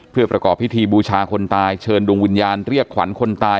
เพื่อประกอบพิธีบูชาคนตายเชิญดวงวิญญาณเรียกขวัญคนตาย